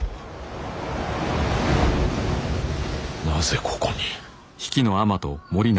なぜここに。